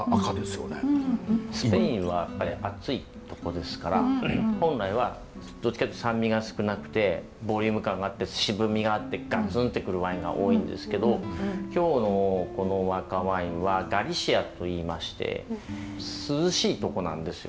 スペインはやっぱり暑いとこですから本来はどっちかというと酸味が少なくてボリューム感があって渋みがあってガツンって来るワインが多いんですけど今日のこの赤ワインはガリシアといいまして涼しいとこなんですよ。